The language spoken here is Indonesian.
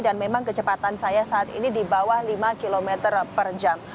dan memang kecepatan saya saat ini di bawah lima km per jam